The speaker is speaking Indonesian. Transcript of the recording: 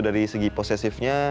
dari segi posesifnya